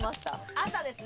朝ですね。